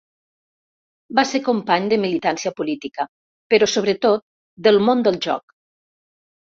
Va ser company de militància política, però sobretot del món del joc.